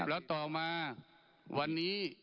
แล้วต่อมาวันนี้